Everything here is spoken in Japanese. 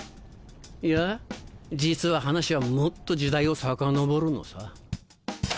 いや実は話はもっと時代をさかのぼるのさ。